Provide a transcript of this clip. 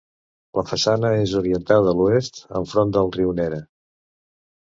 La façana és orientada a l'oest, enfront del riu Nere.